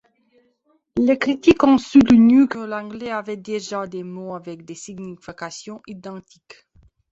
Les critiques ont soutenu que l'anglais avait déjà des mots avec des significations identiques.